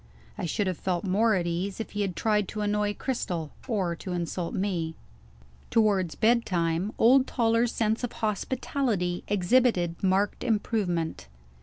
I should have felt more at ease, if he had tried to annoy Cristel, or to insult me. Towards bedtime, old Toller's sense of hospitality exhibited marked improvement.